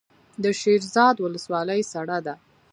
د شیرزاد ولسوالۍ سړه ده